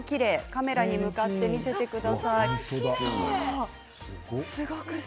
カメラに向かって見せてください。